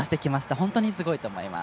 本当にすごいと思います。